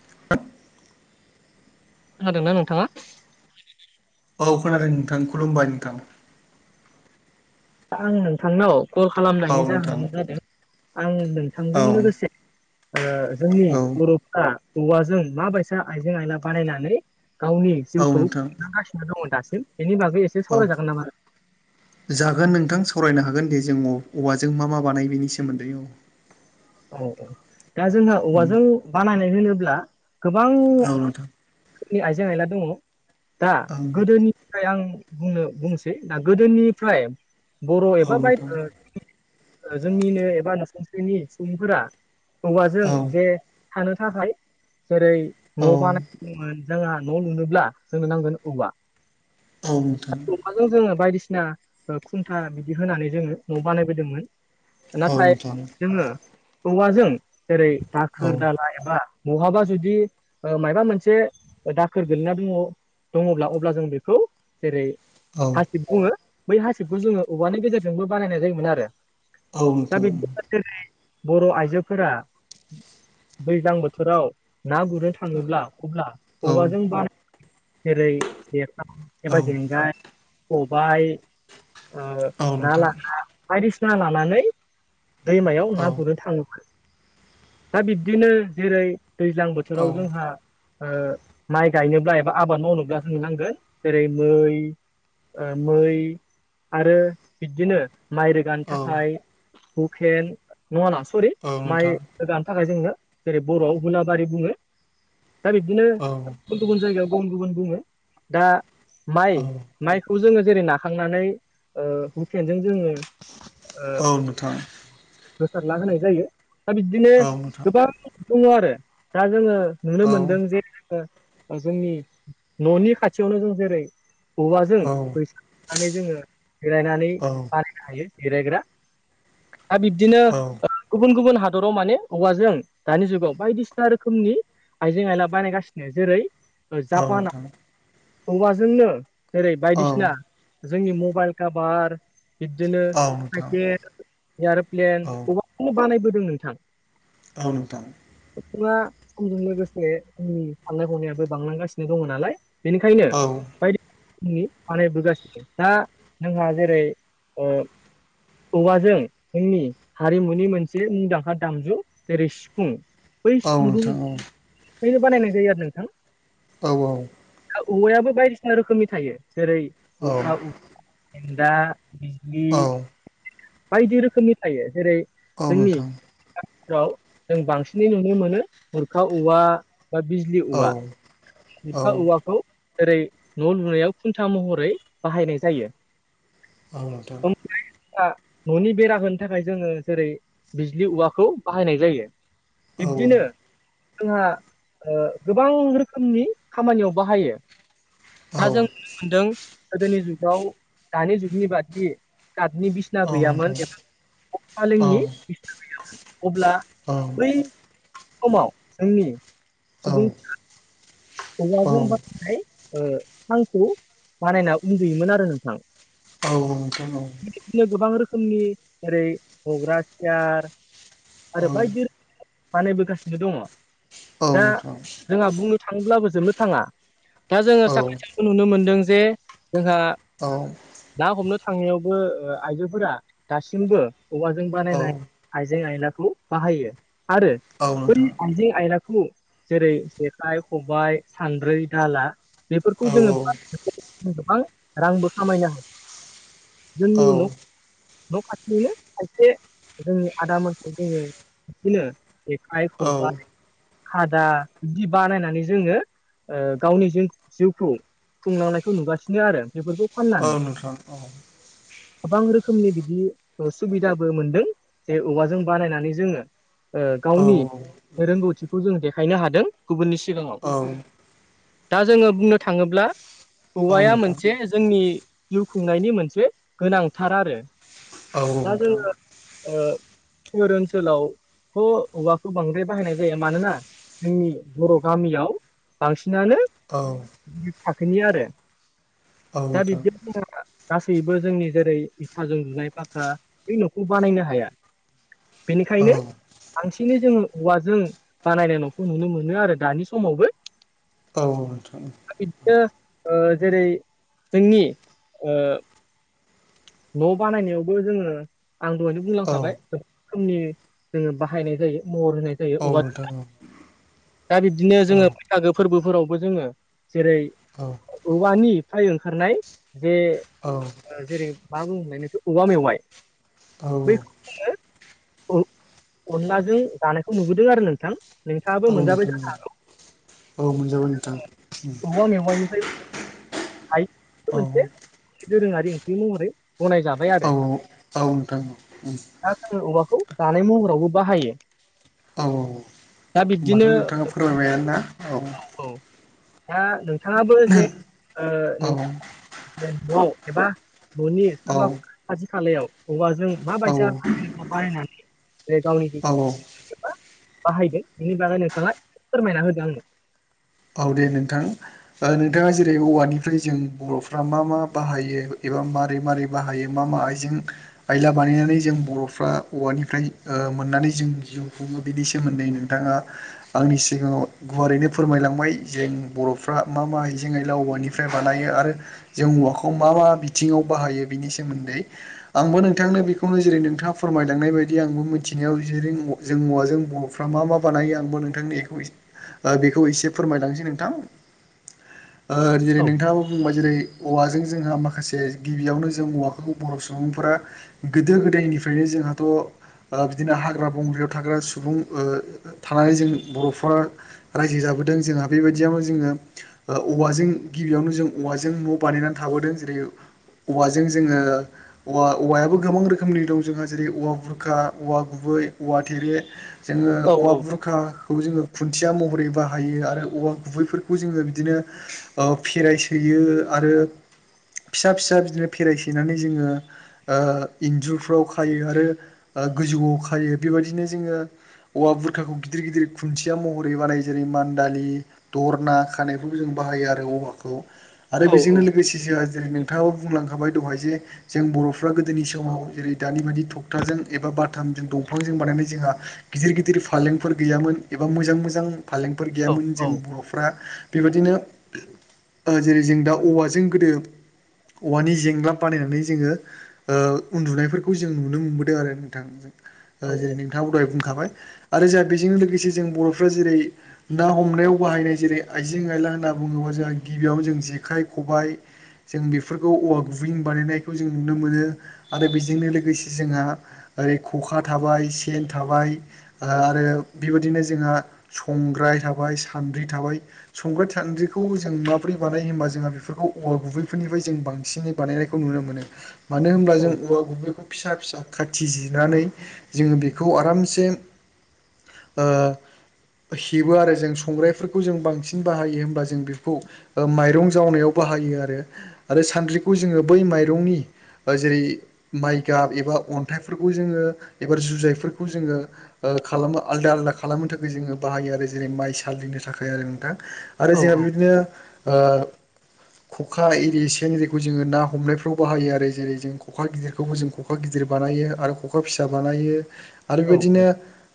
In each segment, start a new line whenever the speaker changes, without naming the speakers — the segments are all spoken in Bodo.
[unintelligible]
खोनादोंना नोंथाङा?
औ खोनादों नोंथां खुलुमबाय नोंथां।
आं नोंथांनाव कल
औ
खालामनायनि
नोंथां
जाहोनानो जादों आं नोंथांजों
औ
लोगोसे ओ जोंनि
औ
बर'फ्रा औवाजों मा बायसा आइजें आयला बानायनानै गावनि
औ
जिउखौ
नोंथां
खुंलांगासिनो दङ' दासिम बेनि बागै एसे
औ
सावरायजागोन नामा?
जागोन नोंथां सावरायनो हागोन दे जों औवाजों मा मा बानायो बेनि सोमोन्दै औ।
औ औ दा जोंहा औवाजों बानायनाय होनोब्ला गोबां
औ नोंथां
फोरनि आइजें आइला दङ' दा
औ
गोदोनि खाय आं बुंनो बुंनोसै दा गोदोनिफ्राय बर'
औ
एबा बाय
नोंथां
ओ ओ जोंनिनो एबा नसुंसेनि सुबुंफोरा हौवाजों
औ
जे थानो थाखाय जेरै
औ
न' बानायोमोन। जोंहा न' लुनोब्ला जोंनो नांगोन औवा।
औ नोंथां।
हाजों जोङो बायदिसिना ओ खुन्था बिदि होनानै जोङो न' बानायबोदोंमोन।
औ
नाथाय
नोंथां
जोङो औवाजों जेरै
औ
दाखोर दालाय एबा बहाबा जुदि ओ मायबा मोनसे दाखोर गोलैना दङ दङब्ला अब्ला जों बेखौ जेरै
औ
हासिब बुङो। बै हासिबखौ जोङो औवानि गेजेरजोंबो बानायनाय जायोमोन आरो।
औ
दा
नोंथां
[unintelligible] बर' आइजोफोरा दैज्लां बोथोराव ना गुरनो थाङोब्ला अब्ला
औ
औवाजों बानाय जेरै जेखा
औ
एबा जेंगाय खबाइ ओ
औ
ना
नोंथां।
ला बायदिसिना लानानै दैमायाव
औ
ना थाङो दा बिब्दिनो जेरै दैज्लां
औ
बोथोराव जोंहा ओ माइ गायनोब्ला एबा आबाद मावनोब्ला जोंनो नांगोन जेरै मै ओ मै आरो बिदिनो माइ रो गान
औ नोंथां औ
थाखाय हुकेन नङा नङा सरि
औ
माइ
नोंथां
रोगानो थाखाय जोंङनो जेरै बर'आव हुलाबारि बुङो। दा बिबदिनो
औ
गुबुन गुबुन जायगायाव गुबुन गुबुन बुङो दा माइ माइखौ जोङो जेरै नाखांनानै ओ हुकेनजों जोङो ओ
औ नोंथां
गोसारला होनाय जायो। दा बिदिनो
औ औ
गोबां दङ आरो दा जोङो नुनो मोनदों जे जोंङो जोंनि न'नि खाथियावनो जों जेरै औवाजों बैसांलुनानै जोङो जिरायनानै हायो जिरायग्रा दा बिब्दिनो
औ
गुबुन गुबुन हादराव माने हौवाजों दानि जुगाव बायदिसिना रोखोमनि आइजें आयला बानायगासिनो जेरै
औ
जापानाव
नोंथां
हौवाजोंनो जेरै
औ
बायदिसिना जोंनि मबाइल कभार बिदिनो
नोंथां
टाइपेट आरो आरो प्लेन
औ
अबबनो बानायबोदों नोंथां
औ नोंथां
सुबुङा समजों लोगोसे जोंनि साननाय हनायाबो बांलांगासिनो दङ नालाय बेनिखायनो
औ
बायदि जोंनि बानायबोगासिनो। दा जोंहा जेरै ओ औवाजों जोंनि हारिमुनि मोनसे मुंदांखा दामजु जेरै सिफुं बै
औ
सिफुंखौ
नोंथां
बैनो बानायनाय जायो आरो नोंथां
औ औ
दा औवायाबो बायदिसिना रोखोमनि थायो जेरै
औ
गुरखा [unintelligible] बिजलि
औ
बायदि रोखोमनि थायो जेरै
औ
जोंनि
नोंथां
[unintelligible] जों बांसिनै नुनो मोनो बुरखा औवा बा बिजलि
औ
औवा
औ
खुथा औवाखौ ओरै न' लुनायाव खुन्था महरै बाहायनाय जायो
आं नोंथां
आं न'नि बेरा होनो थाखाय जोङो जेरै बिज्लि औवाखौ बाहायनाय जायो
औ
बिब्दिनो जोंहा गोबां रोखोमनि खामानियाव बाहायो
औ
दा जों नुनो मोनदों गोदोनि जुगाव दानि जुगनि बादि गटनि बि स्ना
औ
गैयामोन
नोंथां
एबा
औ औ नोंथां औ
फालेंनि बिसिना गैयामोन अब्ला
नोंथां औ
बै समाव जोंनि
औ
सुबुं औवाजों बानायनाय ओ सांखौ बानायना उन्दुयोमोन आरो नोंथां
औ ओंथ' नौ।
खिदिनो गोबां रोखोमनि जेरै हग्रा सियार आरो बायदि रो बानायबोगासिनो दङ'। दा जोंहा बुंनो थांब्लाबो जोबनो थाङा। दा जोङो साखा साखौ नुनो मोनदों जे जोंहा
औ।
ना हमनो थांनायावबो ओ आइजोफोरा दासिमबो औवाजों बानायनाय आइजें आयलाखौ बाहायो। आरो बै आइजें आयलाखौ जेरै जेखाइ, खबाइ, सान्द्रै, दाला बेफोरखौ जोङो मा [unintelligible] गोबां रांबो खामायनो [inaudible] जोंनि न' न' खाथिनिनो खायसे जों आदा मोनखौ जोङो बिदिनो जेखाइ, खबाय, खादा बिदि बानायनानै जोङो ओ गावनि जिं जिउखौ खुंलांनायखौ नुगासिनो आरो। बेफोरखौ फाननानै
नोंथां
गोबां रोखोमनि बिदि ओ सुबिदाबो मोनदों। जे औवाजों बानायनानै जोङो ओ गावनि रोंगौथिखौ जों देखायनो हादों गुबुननि सिगाङाव।
औ।
दा जोङो बुंनो थाङोब्ला औवाया मोनसे जोंनि जिउ खुंनायनि मोनसे गोनांथार आरो। दा जोङो ओ फोर ओन्सोलाव थ' औवाखौ बांद्राय बाहायनाय जाया। मानोना जोंनि बर' गामियाव बांसिनानो
औ।
गिदिद थाखोनि आरो। दा बिब्दि चेन्टारफ्रा गासैबो जोंनि जेरै इथाजों लुनाय फाखा बे न'खौ बानायनो हाया।
औ
बेनिखायनो बांसिनै जोङो औवाजों बानायनाय न'खौ नुनो मोनो आरो दानि समावबो।
औ औ नोंथां औ।
इदिनो ओ जेरै जोंनि ओ न' बानायनायावबो जोङो आं दहायनो
औ
बुंलांखाबाय। खोमनि जोङो बाहायनाय जायो महर होनाय जायो
औ नोंथां
औवाजोंनो। दा बिब्दिनो
औ
जोङो बैसागो फोरबोफोरावबो जोङो जेरै
औ।
औवानिफ्राय ओंखारनाय जे
औ।
ओ जेरै मा बुङोमोनलाय नोखौ औवा मेवाइ। बै
औ
जोङो ओ अनलाजों जानायखौ नुबोदों आरो नोंथां। नोंथाङाबो
औ
मोनजाबाय
नोंथां
जानो हागौ।
औ मोनजाबाय नोंथां
[inaudible] औवा मेवाइनिफ्रायबो हायो बो
औ
मोनसे दोरोङारि ओंख्रि महरै गनाय जाबाय।
औ औ औ नोंथां औ उम।
दा जोङो औवाखौ जानाय महरावबो बाहायो।
औ
दा बिब्दिनो
होमबाथ' नोंथाङा फोरमायबायानो ना औ
औ। दा नोंथाङाबो जे ओ [inaudible] न' एबा न'नि
औ
सोरबा खाथि खालायाव औवाजों
औ
माबायसा [unintelligible] बानायनानै बे गावनि
औ औ
[unintelligible] बाहायदों। बेनि बागै नोंथाङा एसे फोरमायदो आंनो।
औ दे नोंथां। ओ नोंथाङा जेरै औवानिफ्राय जों बर'फ्रा मा मा बाहायो एबा मारै मारै बाहायो मा मा आइजें आइला बानायनानै जों बर'फ्रा औवानिफ्राय ओ मोननानै जों जिउ खुङो बिदि सोमोन्दै नों थाङा आंनि सिगाङाव गुवारैनो फोरमायलां बै जे बर'फ्रा मा मा आइजें आइल औवानिफ्राय बानायो आरो जों औवाखौ मा मा बिथिङाव बाहायो बिनि सोमोन्दै आंबो नोंथांनो बेखौनो जेरै नोंथाङा फोरमायलांनाय बायदि आंबो मिथिनायाव जेरै जों औवाजों बर'फ्रा मा मा बानायो आंबो नोंथांनि बेखौ बेखौ एसे फोरमायलांसै नोंथां ओ जेरै
औ
नोंथाङाबो बुंबाय जेरै औवाजों जोंहा माखासे गिबियावनो जों औवाखौ बर' सुबुंफोरा गोदो गोदायनिफ्रायनो जोंहाथ' ओ बिदिनो हाग्रा बंग्रायाव थाग्रा सुबुं ओ थानानै जों बर'फोर रायजो जाबोदों जोंहा बेबायदियावनो जोङो ओ औवाजों गिबियावनो जों औवाजों न' बानायनानै थाबोदों जेरै औवाजों जोङो औव औवायाबो गोबां रोखोमनि दं जोंहा जेरै औवा बुरखा औवा गुबै औवा थेरे जोङो
औ
औवा
औ
बुरखाखौ जोङो खुन्थिया महरैबा बाहायो आरो औवा गुबैफोरखौ जोङो बिदिनो ओ फेराइ सोयो आरो फिसा फिसा बिदिनो फेराय सैनानै जोङो ओ इन्जुरफ्राव खायो आरो ओ गोजौआव खायो बेबायदिनो जोङो औवा बुरखाखौ गिदिर गिदिर खुन्थिया महरै बानाय जेरै मान दालि दरना खानायफोरबो जों बाहायो आरो औवाखौ आरो
औ
बेजोंनो लोगोसे जोंहा जेरै नोंथाङाबो बुंलांखाबाय दहाय जे जों बर'फ्रा गोदोनि समाव जेरै दानि बादि थखथाजों एबा बाथामजों दंफांजों बानायनाय जोंहा गिदिर गिदिर फालेंफोर गैयामोन एबा मोजां मोजां फालेंफोर
औ
गैयामोन
औ
जों बर'फ्रा बेबादिनो ओ जेरै जों दा औवाजों गोदो औवानि जेंला बानायनानै जोङो ओ उन्दुनायफोरखौ जों नुनो मोनबोदों आरो नोंथां जेरै नोंथाङा दहाय बुंखाबाय आरो जाहा बेजों लोगोसे जों बर'फ्रा जेरै ना हमनायाव बाहायनाय जेरै आइजें आयला होनना बुङोबा जोंहा गिबियावनो जों जेखाइ खबाइ जों बेफोरखौ औवा गुबैजों बानायनायखौ जों नुनो मोनो आरो बेजोंनो लोगोसे जोंहा ओरै ख'खा थाबाय सेन थाबाय आरो बेबायदिनो जोंहा संग्राय थाबाय सान्द्रि थाबाय संग्रा सान्द्रिखौ जों माबोरै बानाय होमबा जोंहा बेफोरखौ औवा गुबैफोरनिफ्राय जों बांसिनै बानायनायखौ नुनो मोनो मानो होनोमब्ला
औ
जों औवा गुबैखौ फिसा फिसा खाथि जिनानै जोङो बेखौ आरामसे ओ हेबो आरो जों संग्राइफोरखौ जों बांसिन बाहायो होमबा जों बेखौ ओ माइरं जावनायाव बाहायो आरो आरो सानद्रिखौ जोङो बै माइरंनि बा जेरै माइ गाब एबा अन्थाइफोरखौ जोङो एबा जुजाइफोरखौ जोङो ओ खालामो आलदा आलदा खालामनो थाखाय जोङो बाहायो आरो जेरै माइ सालिनो थाखाय आरो नोंथां आरो
औ
जोंहा बिदिनो ओ [inaudible] खखा एरि सेन एरिखौ जोङो ना हमनायफ्राव बाहायो आरो जेरै जों ख'खा गिदिरखौबो जों ख खखा गिदिर बानायो आरो खखा फिसा बानायो आरो
औ
बेबायदिनो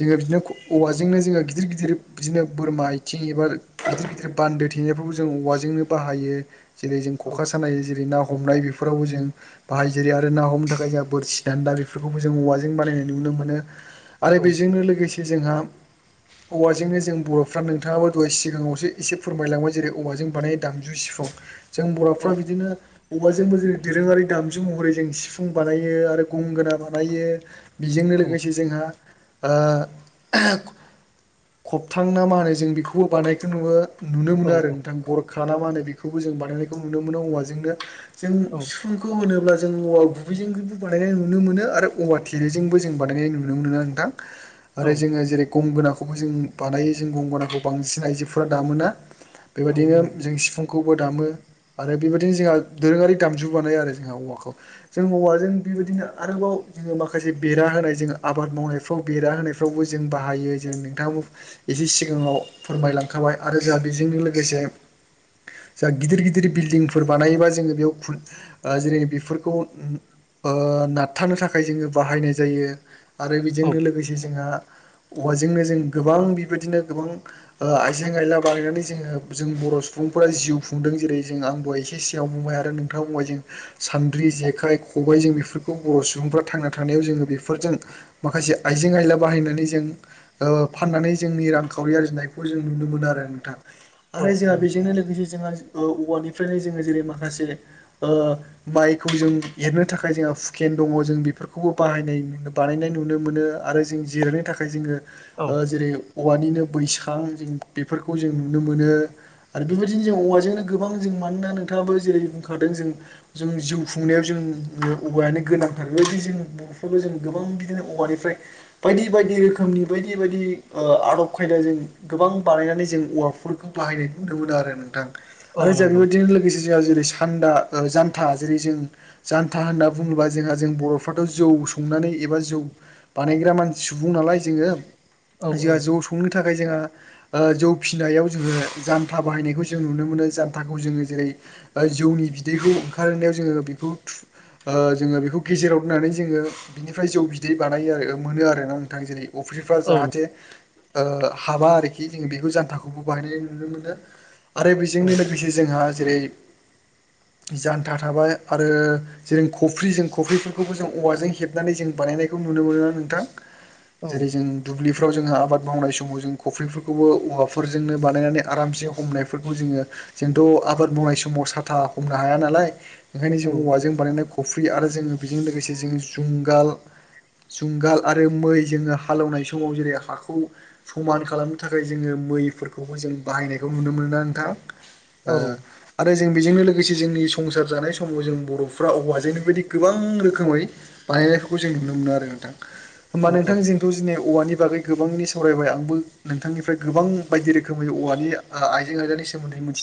जोङो बिदिनो औवाजोंनो जोङो गिदिर गिदि दिर बिदिनो बोरमा आथिं एबा गिदिर गिदिर बान्दो थेनायफ्रावबो जों औवाजोंनो बाहायो जेरै जों
औ
खखा सानाय जेरै ना हमनाय बेफोरावबो जों बाहायजेरै आरो ना हमनो थाखाय जोंहा बोरसि दान दा बेफोरखौबो जों औवाजों बानायनाय नुनो मोनो आरो बेजोंनो लोगोसे जोंहा औवाजोंनो जों बर'फ्रा नोंथाङाबो दहाय सिगाङावसो एसे फोरमायलांबाय जेरै औवाजों बानाय दामजु सिफुं जों बर'फ्रा बिदिनो औवाजोंबो जेरै दोरोङारि दामजु महरै जों सिफुं बानायो आरो गंगोना बानायो बेजोंनो लोगोसे जोंहा ओ खबथां ना मा होनो जों बेखौबो बानायखौ नु नुनो मोनो आरो नोंथां गर खा ना मा होनो बेखौबो जों बानायनायखौ नुनो मोनो औवाजोंनो जों फुंखौ होनोब्ला जों औवा गुबैजोंबो बानायनाय नुनो मोनो आरो औवा थेरेजोंबो जों बानायनाय नुनो मोनो नोंथां। आरो जोङो जेरै गमबोना खौबो जों बानायो जों गंगनाखौ बांसिन आइजोफोरा दामोना। बेबायदिनो जों सिफुंखौबो दामो। आरो बेबायदिनो जोंहा दोरोङारि दामजु बानाय आरो जोंहा औवाखौ। जों औवाजों बेबायदिनो आरोबाव जोङो माखासे बेरा होनाय जोंङो आबाद मावनाय। फाव बेरा होनायफ्रावबो जों बाहायो जोंनो। थाङाबो एसे सिगाङाव फोरमायलांखाबाय आरो जोंहा बेजोंनो लोगोसे। जा गिदिर गिदिर बिल्डिंफोर बानायोबा जोङो बेयाव खुथ जेरै बेफोरखौ ओ नारथानो थाखाय जोङो बाहायनाय जायो आरो बेजोंनो लोगोसे जोंहा। औवाजोंनो जों गोबां बेबायदिनो गोबां। ओ-आइजें आयला बानायनानै जोङो जों बर सुबुंफोरा जिउ खुंदों जेरै जों आं दहाय जि सिआव बुंबाय आरो नोंथाङा बुंबाय जों। सान्द्रि जेखाइ खबाइ जों बेफोरखौ बर सुबुंफ्रा थांना थानायाव जोङो बेफोरजों। माखासे आइजें आयला बाहायनानै जों ओ फाननानै जोंनि रांखावरि आरजिनायखौ जों नुनो मोनो आरो नोंथां।
औ
आरो जोंहा बेजोंनो लोगोसे जोंहा औवानिफ्रायनो जोङो जेरै माखासे ओ माइखौ जों एरनो थाखाय जोंहा हुकेन दङ जों बेफोरखौबो बाहायनाय नुनो मो बानायनाय नुनो मोनो आरो जों जिरायनो थाखाय जोङो।
औ
जेरै औवानिनो बैसां जों बेफोरखौ जों नुनो मोनो। आरो बेबायदिनो जों औवाजोंनो गोबां जों मानोना नोंथाङाबो जेरै बुंखादों जों। जों जिउ खुंनायाव जों औवायानो गोनांथार बेबायदि जों। जों गोबां बिदिनो औवानिफ्राय बायदि बायदि रोखोमनि बायदि बेबायदि ओ-आदब खायदा जों। गोबां बानायनानै जों औवाफोरखौ बाहायनाय नुनो मोनो आरो नोंथां
औ
आरो जों
नंगौ
बेबायदिनो लोगोसे जोंहा जेरै सान्दा जान्था जेरै जों। जानथा होनना बुङोब्ला जोंहा जों बरफ्राथ जौ संनानै एबा जौ। बानायग्रा मानसि सुबुं नालाय जोङो
औ औ
जोंहा जौ संनो थाखाय जोंहा। जौ फिसिनायाव जोङो जान्था बाहायनायखौ जों नुनो मोनो जान्थाखौ जोङो जेरै जौनि बिदैखौ ओंखारनायाव जोङो बेखौ थु ओ-जोङो बेखौ गेजेराव होननानै जोङो। बिनिफ्राय जौ बिदै बानायो आरो मोनो आरोना नोंथां जेरै अफ्री रा
औ नंगौ
जाहाथे हाबा आरोखि जों बेखौ जान्थाखौबो बाहायनाय नुनो मोनो। आरो
औ
बेजोंनो लोगोसे जोंहा जेरै जान्था थाबाय आरो। जेरों खफ्रि जों खफ्रिफोरखौबो जों औवाजों हेबनानै जों बानायनायखौ नुनो मोना नोंथां।
औ
जेरै जों दुब्लिफ्राव जोंहा आबाद मावनाय समाव जों खफ्रिफोरखौबो औवाफोरजोंनो बानायनानै आरामसे हमनायफोरखौ जोङो। जोंथ आबाद मावनाय समाव साथा हमनो हाया नालाय ओंखायनो जों
औ
औवाजों। बानायनाय खफ्रि आरो जोङो बेजों लोगोसे जो जुंगाल। जुंगाल आरो मै जोङो हालौनाय समाव जेरै हाखौ। समान खालामनो थाखाय जोङो मैफोरखौबो जों बाहायनायखौ नुनो मोनो ना नोंथां।
औ
ओ आरो जों बेजोंनो लोगोसे जोंनि संसार जानाय समाव जों बरफ्रा अबाव हाजोंनि बायदि गोबां रोखोमै। बानायनायफोरखौ जों नुनो मोनो आरो नोंथां होमबा
औ औ
नोंथां जोंथ जोंनि औवानि बागै गोबांनि सावरायबाय आंबो। नोंथांनिफ्राय गोबां बायदि रोखोमै औवानि आइजें आयजानि सोमोन्दै मोन